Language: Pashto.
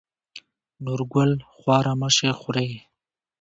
نورګل: خواره مه شې خورې.